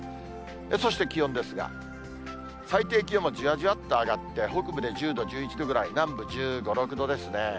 そして気温ですが、最低気温はじわじわっと上がって、北部で１０度、１１度ぐらい、南部１５、６度ですね。